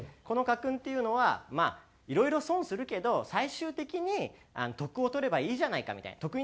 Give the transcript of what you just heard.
この家訓っていうのはまあいろいろ損するけど最終的に得を取ればいいじゃないかみたいな。